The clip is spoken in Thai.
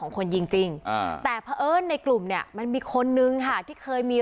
คนยิงจริงแต่เพราะเอิ้นในกลุ่มเนี่ยมันมีคนนึงค่ะที่เคยมี